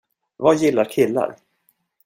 Vad gillar killar?